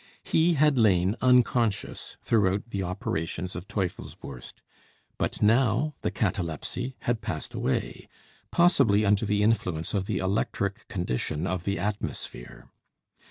He had lain unconscious throughout the operations of Teufelsbürst, but now the catalepsy had passed away, possibly under the influence of the electric condition of the atmosphere.